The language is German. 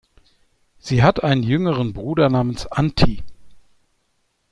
Sie hat einen jüngeren Bruder namens Antti.